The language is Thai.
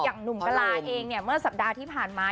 หนุ่มกะลาเองเนี่ยเมื่อสัปดาห์ที่ผ่านมา